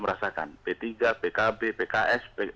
merasakan p tiga pkb pks